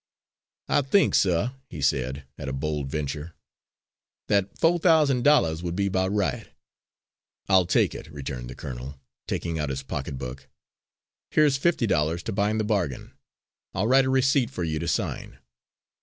"I think, suh," he said, at a bold venture, "that fo' thousand dollars would be 'bout right." "I'll take it," returned the colonel, taking out his pocket book. "Here's fifty dollars to bind the bargain. I'll write a receipt for you to sign."